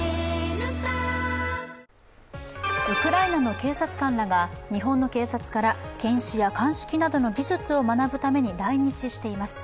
ウクライナの警察官らが日本の警察から検視や鑑識などの技術を学ぶために来日しています。